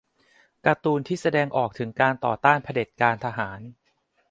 การ์ตูนที่แสดงออกถึงการต่อต้านเผด็จการทหาร